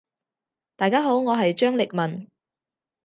大家好，我係張力文。